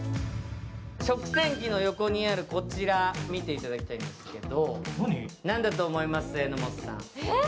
食洗機の横にあるこちら、見ていただきたいんですが、何だと思います？え？